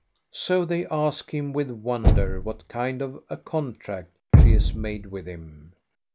So they ask him with wonder what kind of a con tract she has made with him.